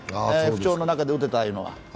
不調の中で打てたというのは。